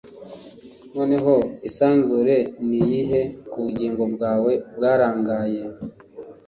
noneho isanzure niyihe kubugingo bwawe bwarangaye